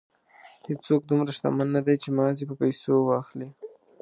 هېڅوک دومره شتمن نه دی چې ماضي په پیسو واخلي.